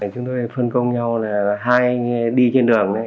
chúng tôi phân công nhau là hai anh đi trên đường